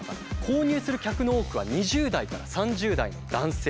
購入する客の多くは２０代から３０代の男性。